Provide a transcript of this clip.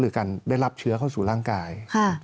คือการได้รับเชื้อเข้าสู่ร่างกาย